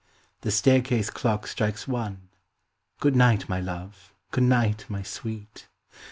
The staircase clock strikes one. Good night, my love! good night, my sweet!